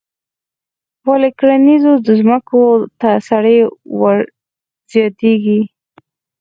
ولې کرنیزو ځمکو ته سرې ور زیاتیږي؟